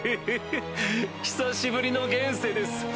久しぶりの現世です。